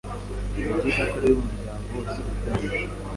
Ni byiza ko rero umuryango wose wipimisha